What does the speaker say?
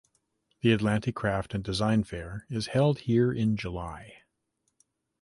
The Atlantic Craft and Design Fair is held here in July.